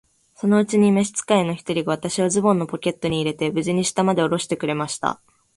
そのうちに召使の一人が、私をズボンのポケットに入れて、無事に下までおろしてくれました。